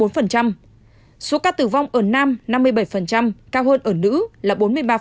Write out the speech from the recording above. số ca tử vong ở nam năm mươi bảy cao hơn ở nữ là bốn mươi ba